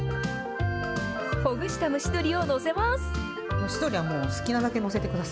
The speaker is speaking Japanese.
ほぐした蒸し鶏を載せます。